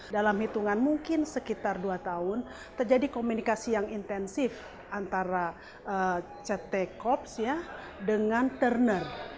dalam hitungan mungkin sekitar dua tahun terjadi komunikasi yang intensif antara ct corps dengan turner